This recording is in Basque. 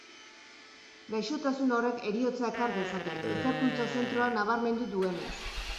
Gaixotasun horrek heriotza ekar dezake, ikerkuntza zentroak nabarmendu duenez.